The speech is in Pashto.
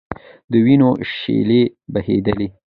د وینو شېلې بهېدلې.